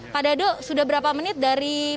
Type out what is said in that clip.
pak dado sudah berapa menit dari